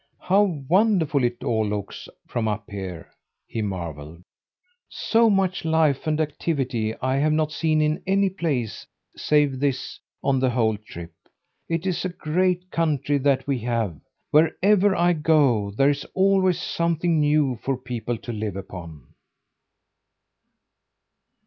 "How wonderful it all looks from up here!" he marvelled. "So much life and activity I have not seen in any place save this on the whole trip. It is a great country that we have! Wherever I go, there is always something new for people to live upon."